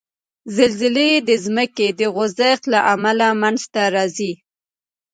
زلزلې د ځمکې د خوځښت له امله منځته راځي.